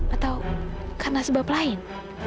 atau karena sebab lain